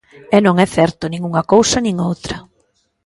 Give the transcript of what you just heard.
E non é certo nin unha cousa nin outra.